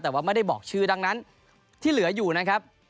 แต่ว่าไม่ได้บอกชื่อดังนั้นที่เหลืออยู่นะครับ